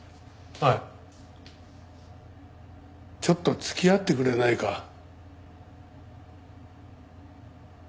ちょっと付き合ってくれないか？